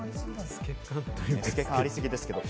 透け感ありすぎですけれども。